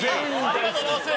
ありがとうございます！